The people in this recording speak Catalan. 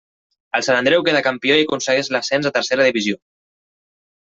El Sant Andreu queda campió i aconsegueix l'ascens a Tercera Divisió.